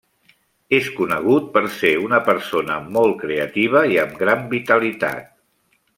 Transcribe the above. És conegut per ser una persona molt creativa i amb gran vitalitat.